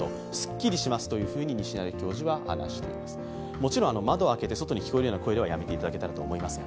もちろん、窓を開けて外に聞こえるような声ではやめていただきたいと思います。